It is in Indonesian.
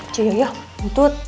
cuyo yuk anjut